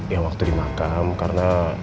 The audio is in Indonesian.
yang waktu dimakam karena